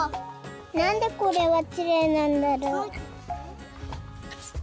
なんでこれはきれいなんだろう。